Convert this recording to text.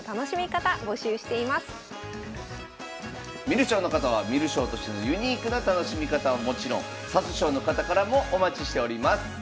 観る将の方は観る将としてのユニークな楽しみ方はもちろん指す将の方からもお待ちしております。